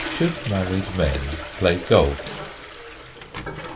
SHOULD MARRIED MEN PLAY GOLF?